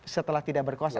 setelah tidak berkuasa